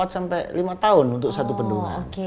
empat sampai lima tahun untuk satu bendungan